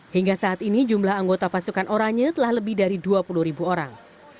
hingga saat ini jumlah anggota pasukan oranye telah lebih dari dua puluh ribu orang